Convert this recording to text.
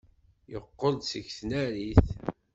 Yeqqel-d seg tnarit.